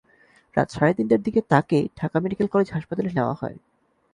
রাত সাড়ে তিনটার দিকে তাঁকে ঢাকা মেডিকেল কলেজ হাসপাতালে নেওয়া হয়।